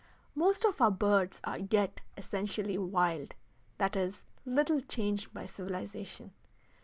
Most of our birds are yet essentially wild, that is, little changed by civilization.